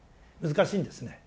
難しいんですね。